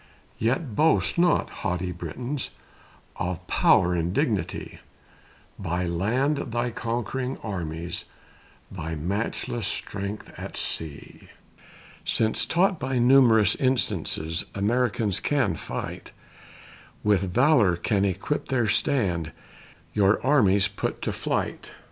Yet boast not, haughty Britons, Of power and dignity, By land thy conquering armies, Thy matchless strength at sea; Since taught by numerous instances Americans can fight, With valor can equip their stand, Your armies put to flight.